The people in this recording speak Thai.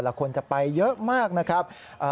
คนจะไปเยอะมากนะครับ